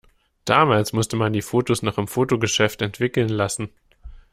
Damals musste man die Fotos noch im Fotogeschäft entwickeln lassen.